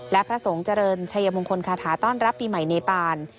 และพระสงฆ์เจริญชัยมงคลคาถาต้อนรับปีใหม่เนปาน